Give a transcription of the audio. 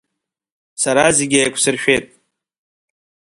Сара зегь еиқәсыршәеит.